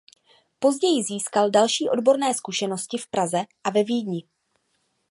Později získal další odborné zkušenosti v Praze a ve Vídni.